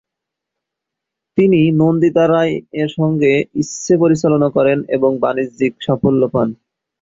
তিনি নন্দিতা রায়-এর সঙ্গে ইচ্ছে পরিচালনা করেন এবং বাণিজ্যিক সাফল্য পান।